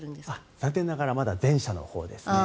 残念ながらまだ前者のほうですね。